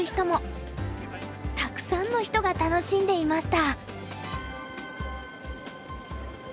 たくさんの人が楽しんでいました。